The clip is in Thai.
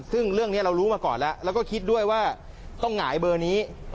ซึ่งเรื่องนี้เรารู้มาก่อนแล้วแล้วก็คิดด้วยว่าต้องหงายเบอร์นี้